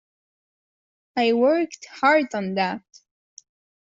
I worked hard on that!